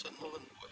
setiap senulun buat